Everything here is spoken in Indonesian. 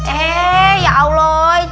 eh ya allah